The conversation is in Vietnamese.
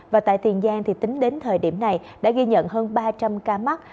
và tại tiền giang thì tính đến thời điểm này đã ghi nhận hơn ba trăm linh ca mắc